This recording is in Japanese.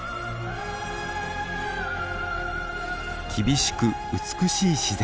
厳しく美しい自然。